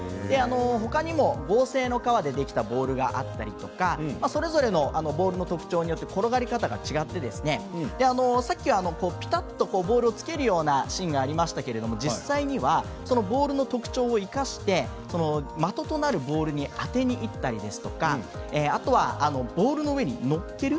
ほかにも合成の革でできたボールがあったりとかそれぞれのボールの特徴によって転がり方が違ってさっきはぴたっとボールをつけるようなシーンがありましたけど実際にはそのボールの特徴を生かして的となるボールに当てにいったりあとは、ボールの上に乗っける。